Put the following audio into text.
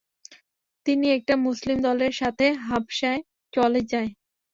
তিনি একটা মুসলিম দলের সাথে হাবশায় চলে যান।